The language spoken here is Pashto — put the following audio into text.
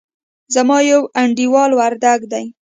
زما يو انډيوال وردګ دئ.